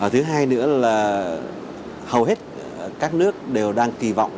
thứ hai nữa là hầu hết các nước đều đang kỳ vọng